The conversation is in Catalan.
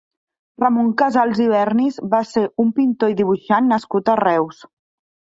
Ramon Casals i Vernis va ser un pintor i dibuixant nascut a Reus.